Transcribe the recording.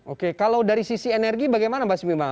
oke kalau dari sisi energi bagaimana mbak sumimah